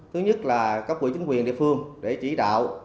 thứ nhất là cấp quỹ chính quyền địa phương để chỉ đạo